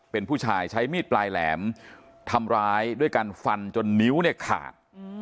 เป็นผู้ชายใช้มีดปลายแหลมทำร้ายด้วยการฟันจนนิ้วเนี่ยขาด